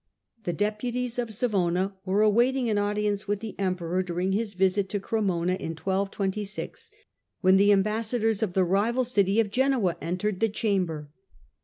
The deputies of Savona were awaiting an audience with the Emperor during his visit to Cremona in 1226, when the ambassadors of the rival city of Genoa entered the chamber.